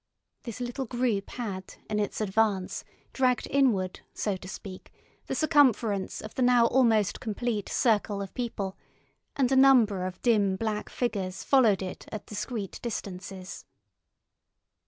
This little group had in its advance dragged inward, so to speak, the circumference of the now almost complete circle of people, and a number of dim black figures followed it at discreet distances.